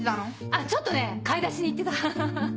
あっちょっとね買い出しに行ってたハハハ。